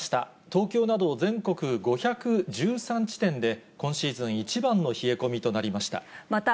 東京など、全国５１３地点で、今シーズン一番の冷え込みとなりました。